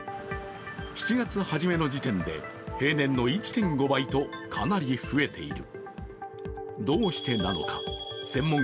７月初めの時点で平年の１．５倍とかなり増えている。